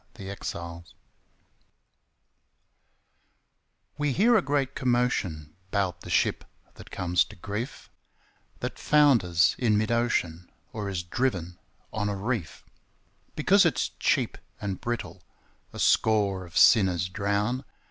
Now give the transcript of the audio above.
0 Autoplay We hear a great commotion 'Bout the ship that comes to grief, That founders in mid ocean, Or is driven on a reef; Because it's cheap and brittle A score of sinners drown.